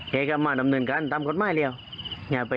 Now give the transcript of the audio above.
คิดว่าดำเนินการตามกอดไม่กลับมาอะไร